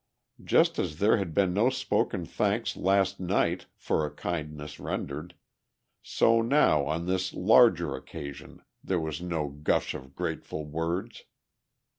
Just as there had been no spoken thanks last night for a kindness rendered, so now on this larger occasion there was no gush of grateful words.